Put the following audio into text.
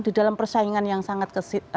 di dalam persaingan yang sangat